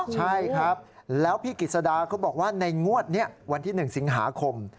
ใช่ครับแล้วพี่กิจสดาเขาบอกว่าในงวดนี้วันที่๑สิงหาคม